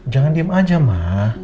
jangan diem aja ma